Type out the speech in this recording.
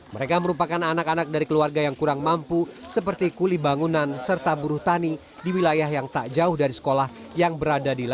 mereka merupakan anak anak dari keluarga yang kurang mampu seperti kuli bangunan serta buruh tani di wilayah yang tak jauh dari sekolah yang berada di lantai